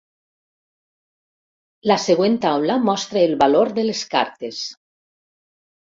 La següent taula mostra els valors de les cartes.